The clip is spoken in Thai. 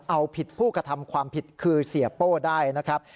เอาผิดผู้กระทำความผิดคือเสียโป้ได้นะครับ